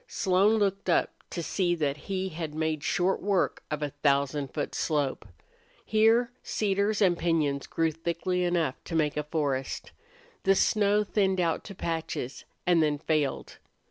Slone looked up to see that he had made short work of a thousand foot slope. Here cedars and piñons grew thickly enough to make a forest. The snow thinned out to patches, and then failed.